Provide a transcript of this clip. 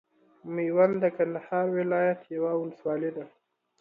ميوند د کندهار ولايت یوه ولسوالۍ ده.